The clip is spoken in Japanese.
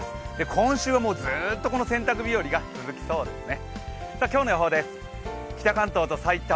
今週はもうずっと洗濯日和が続きそうですね。